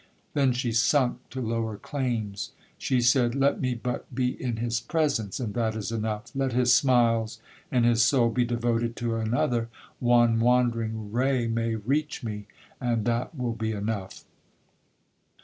Then she sunk to lower claims. She said, Let me but be in his presence, and that is enough—let his smiles and his soul be devoted to another, one wandering ray may reach me, and that will be enough!